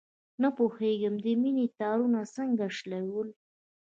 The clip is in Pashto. نه پوهېږم، د مینې تارونه څنګه شلول.